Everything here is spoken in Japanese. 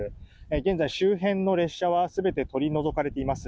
現在、周辺の列車は全て取り除かれています。